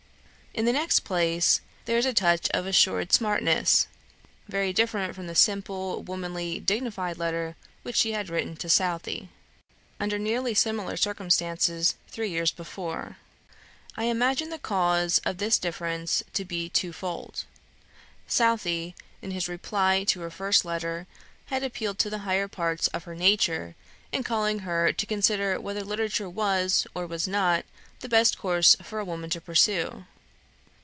In the next place, there is a touch of assumed smartness, very different from the simple, womanly, dignified letter which she had written to Southey, under nearly similar circumstances, three years before. I imagine the cause of this difference to be twofold. Southey, in his reply to her first letter, had appealed to the higher parts of her nature, in calling her to consider whether literature was, or was not, the best course for a woman to pursue.